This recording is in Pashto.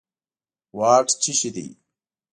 واټ څه شی دي